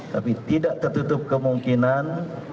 tapi tidak tertutup kemungkinan